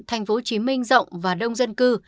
tp hcm rộng và đông dân cư